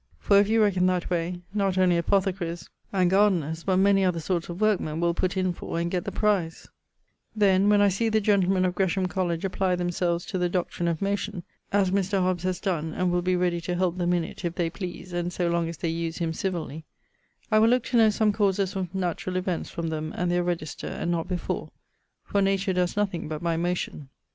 For if you reckon that way, not only apothecaries and gardiners, but many other sorts of workmen will put in for, and get the prize 'Then, when I see the gentlemen of Gresham Colledge apply themselves to the doctrine of motion (as Mr. Hobbes has done, and will be ready to helpe them in it, if they please, and so long as they use him civilly), I will looke to know some causes of naturall events from them, and their register, and not before; for nature does nothing but by motion.